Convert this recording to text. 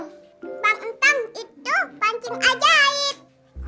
bang enteng itu pancing ajaib